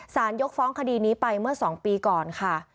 ยกฟ้องคดีนี้ไปเมื่อ๒ปีก่อนค่ะ